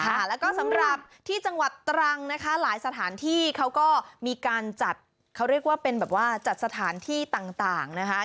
ค่ะแล้วก็สำหรับที่จังหวัดตรังนะคะหลายสถานที่เขาก็มีการจัดเขาเรียกว่าเป็นแบบว่าจัดสถานที่ต่างนะคะ